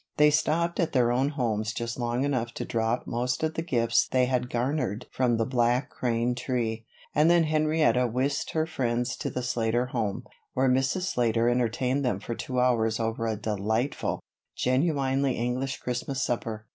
They stopped at their own homes just long enough to drop most of the gifts they had garnered from the Black Crane tree; and then Henrietta whisked her friends to the Slater home, where Mrs. Slater entertained them for two hours over a delightful, genuinely English Christmas supper.